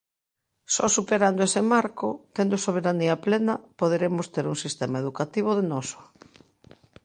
Só superando ese marco, tendo soberanía plena, poderemos ter un sistema educativo de noso.